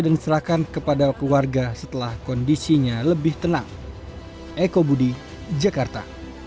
dan diserahkan kepada keluarga setelah kondisinya lebih tenang eko budi jakarta